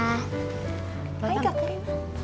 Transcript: hai kak rena